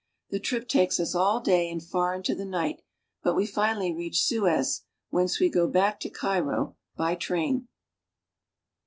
The trip takes us all day and far into the night, but we finally reach Suez, whence we go back to Cairo by train.